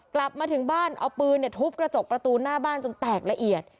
กลับมาถึงบ้านเอาปืนทุบกระจกประตูหน้าบ้านจนแตกละเอียด